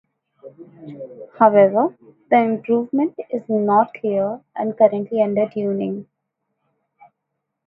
However, the improvement is not clear and currently under tuning.